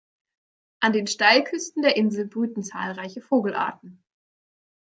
An den Steilküsten der Insel brüten zahlreiche Vogelarten.